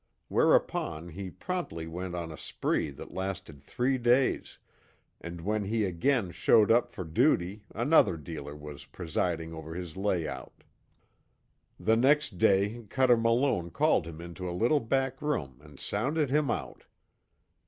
Whereupon he promptly went on a spree that lasted three days and when he again showed up for duty another dealer was presiding over his layout. The next day Cuter Malone called him into a little back room and sounded him out.